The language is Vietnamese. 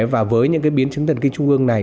và với những cái biến chứng thần kinh trung ương này